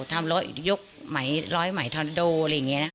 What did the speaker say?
ทำร้อยยกไหมร้อยไหมทอนโดอะไรอย่างนี้นะ